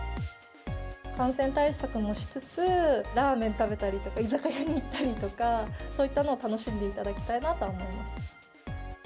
感染対策もしつつ、ラーメン食べたりとか、居酒屋に行ったりとか、そういったのを楽しんでいただきたいなとは思います。